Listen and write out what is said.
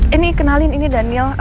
ini kenalin ini daniel